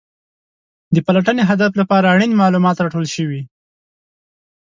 د پلټنې هدف لپاره اړین معلومات راټول شوي.